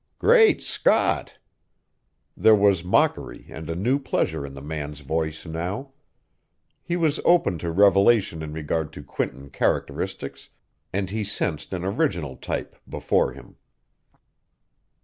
"Great Scott!" There was mockery and a new pleasure in the man's voice now. He was open to revelation in regard to Quinton characteristics, and he sensed an original type before him.